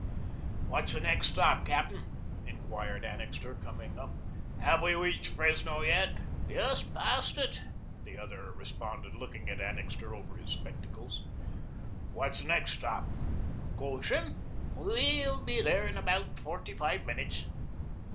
"What's the next stop, Captain?" inquired Annixter, coming up. "Have we reached Fresno yet?" "Just passed it," the other responded, looking at Annixter over his spectacles. "What's the next stop?" "Goshen. We will be there in about forty five minutes."